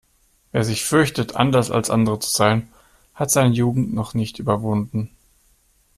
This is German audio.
Wer sich fürchtet, anders als andere zu sein, hat seine Jugend noch nicht überwunden.